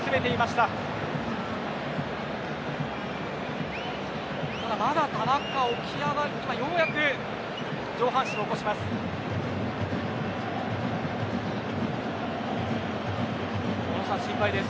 ただまだ田中今、ようやく上半身を起こします。